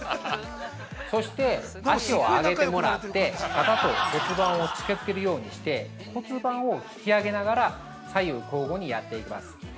そして、足を上げてもらって、肩と骨盤を近づけるようにして骨盤を引き上げながら、左右交互にやっていきます。